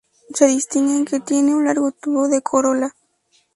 Se distingue en que tiene un largo tubo de corola.